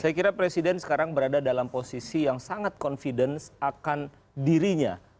saya kira presiden sekarang berada dalam posisi yang sangat confidence akan dirinya